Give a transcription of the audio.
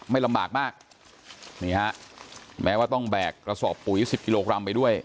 ไม่ลำบากมากนี่ฮะแม้ว่าต้องแบกกระสอบปุ๋ยสิบกิโลกรัมไปด้วย